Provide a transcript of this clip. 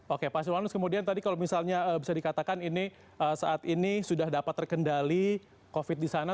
oke pak silwanus kemudian tadi kalau misalnya bisa dikatakan ini saat ini sudah dapat terkendali covid di sana